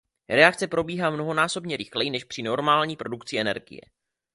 Reakce probíhá mnohonásobně rychleji než při normální produkci energie.